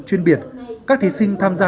chuyên biệt các thí sinh tham gia